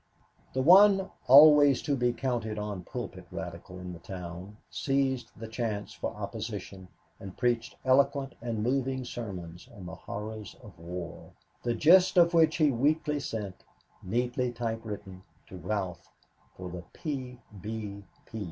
The one always to be counted on pulpit radical in the town seized the chance for opposition and preached eloquent and moving sermons on the horrors of wars, the gist of which he weekly sent, neatly typewritten, to Ralph for the P. B. P.